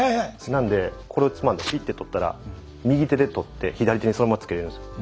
なんでこれをつまんでピッて取ったら右手で取って左手にそのままつけれるんですよ。